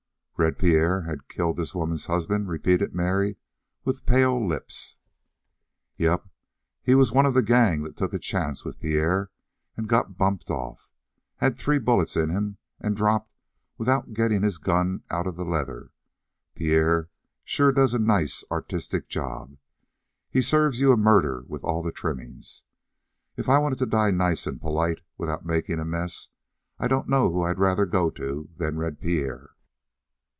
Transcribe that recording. "Red Pierre had killed the woman's husband?" repeated Mary, with pale lips. "Yep. He was one of the gang that took a chance with Pierre and got bumped off. Had three bullets in him and dropped without getting his gun out of the leather. Pierre sure does a nice, artistic job. He serves you a murder with all the trimmings. If I wanted to die nice and polite without making a mess, I don't know who I'd rather go to than Red Pierre."